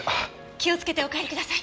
気をつけてお帰りください。